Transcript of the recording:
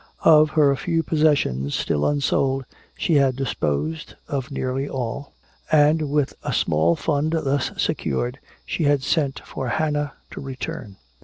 Of her few possessions still unsold, she had disposed of nearly all, and with a small fund thus secured she had sent for Hannah to return.